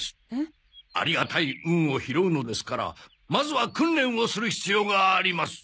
ありがたい運を拾うのですからまずは訓練をする必要があります。